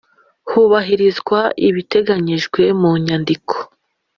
hubahirizwa ibiteganyijwe mu Nyandiko